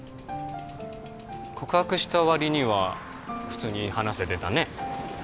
告白したわりには普通に話せてたね